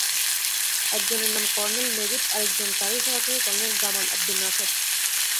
একজনের নাম colonel Naguib, আরেকজন তাঁরই সহচর কর্নেল গামাল আবদুল নাসের।